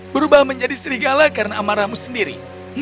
berubah menjadi serigala karena amarahmu sendiri